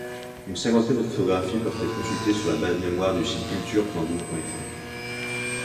Une cinquantaine de photographies peuvent être consultées sur la base Mémoire du site Culture.gouv.fr.